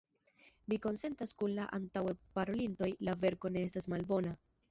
Mi konsentas kun la antaŭe parolintoj – la verko ne estas malbona.